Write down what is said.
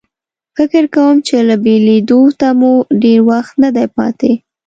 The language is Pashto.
فکر کوم چې له بېلېدو ته مو ډېر وخت نه دی پاتې.